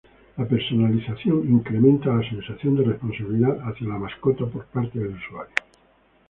La personalización incrementa la sensación de responsabilidad hacia la mascota por parte del usuario.